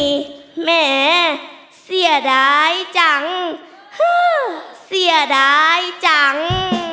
หน้าเสียหนี่แหม้เสียดายจังเฮ้อเสียดายจัง